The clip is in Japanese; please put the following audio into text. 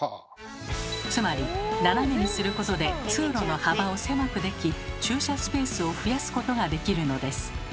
つまり斜めにすることで通路の幅を狭くでき駐車スペースを増やすことができるのです。